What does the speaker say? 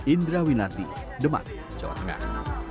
indra winardi demak jawa tengah